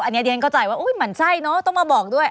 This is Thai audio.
อันเนี้ยเดี๋ยวท่านเข้าใจว่าอุ้ยหมั่นไช่เนอะต้องมาบอกด้วย